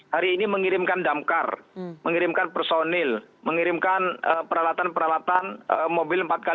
hari ini mengirimkan damkar mengirimkan personil mengirimkan peralatan peralatan mobil empat x